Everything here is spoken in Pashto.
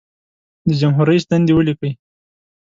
د جمهور رئیس دندې ولیکئ.